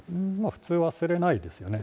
普通、忘れないですよね。